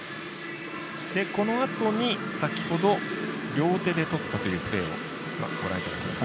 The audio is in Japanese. このあとに先ほど両手でとったというプレーをご覧いただいてます。